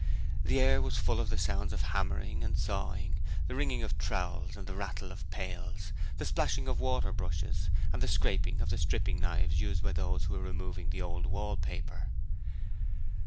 The air was full of the sounds of hammering and sawing, the ringing of trowels, the rattle of pails, the splashing of water brushes, and the scraping of the stripping knives used by those who were removing the old wallpaper.